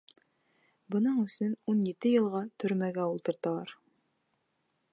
Бының өсөн уны ете йылға төрмәгә ултырталар!